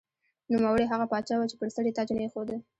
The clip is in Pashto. نوموړی هغه پاچا و چې پر سر یې تاج نه ایښوده.